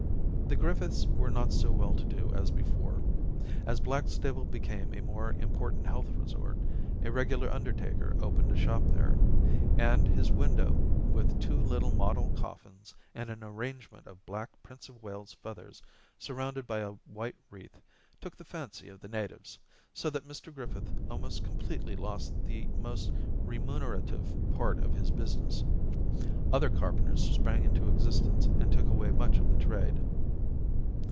The Griffiths were not so well to do as before. As Blackstable became a more im portant health resort, a regular undertaker opened a shop there ; and his window, with two little model coffins and an arrangement of black Prince of Wales's feathers surrounded by a white wreath, took the fancy of the natives, so that Mr. Griffith almost com pletely lost the most remunerative part of his business. Other carpenters sprang into existence and took away much of the trade.